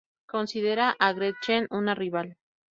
Considera a Gretchen una rival.